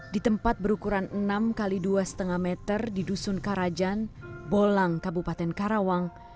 di tempat berukuran enam x dua lima meter di dusun karajan bolang kabupaten karawang